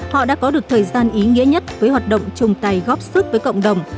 họ đã có được thời gian ý nghĩa nhất với hoạt động chung tay góp sức với cộng đồng